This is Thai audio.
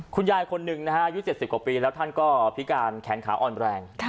คนหนึ่งนะฮะอายุ๗๐กว่าปีแล้วท่านก็พิการแขนขาอ่อนแรง